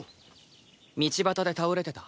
道端で倒れてた。